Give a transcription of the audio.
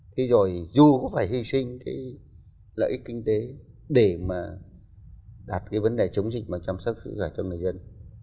thế rồi dù có phải hy sinh cái lợi ích kinh tế để mà đạt cái vấn đề chống dịch mà chăm sóc sức khỏe cho người dân